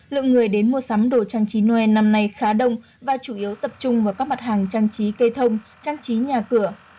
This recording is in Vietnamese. lượng người đến mua sắm đồ trang trí noel năm nay khá đông và chủ yếu tập trung vào các mặt hàng trang trí cây thông trang trí nhà cửa